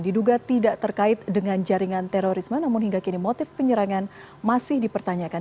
diduga tidak terkait dengan jaringan terorisme namun hingga kini motif penyerangan masih dipertanyakan